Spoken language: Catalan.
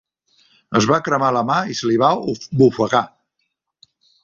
Es va cremar la mà i se li va bofegar.